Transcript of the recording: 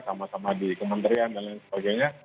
sama sama di kementerian dan lain sebagainya